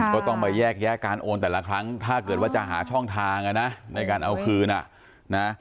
ก็ต้องไปแยกแยะการโอนแต่ละครั้งถ้าเกิดว่าจะหาช่องทางในการเอาคืนอ่ะนะ